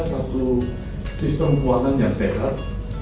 satu sistem keuangan yang sehat